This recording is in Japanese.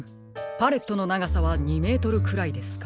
パレットのながさは２メートルくらいですか。